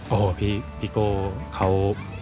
โอ้โหพี่โก้เขา